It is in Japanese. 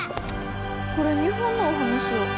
これ日本のお話や。